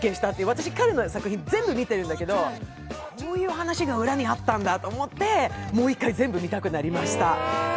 私、彼の作品全部見てるんだけど、こういう話が裏にあったんだと思って、もう一回全部見たくなりました。